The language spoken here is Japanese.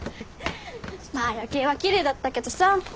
まあ夜景は奇麗だったけどさ。